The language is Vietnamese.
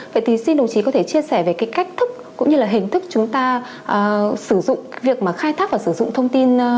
vậy thì xin đồng chí có thể chia sẻ về cái cách thức cũng như là hình thức chúng ta sử dụng việc mà khai thác và sử dụng thông tin